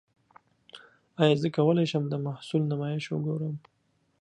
ایا زه کولی شم د محصول نمایش وګورم؟